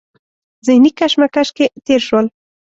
ذهني کشمکش کې تېر شول.